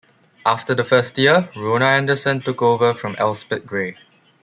After the first year, Rona Anderson took over from Elspet Gray.